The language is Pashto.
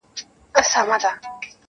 سړی وایې کورته غل نه دی راغلی,